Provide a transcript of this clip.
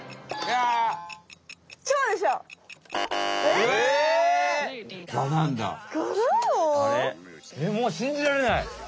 えっもうしんじられない！